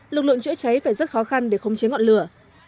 lực lượng chữa cháy phải rất khó khăn để không chế ngọn lửa